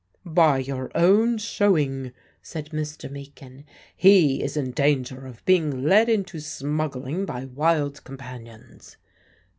"By your own showing," said Mr. Meakin, "he is in danger of being led into smuggling by wild companions."